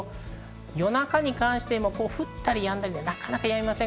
夜中に関しては降ったりやんだりで、なかなかやみません。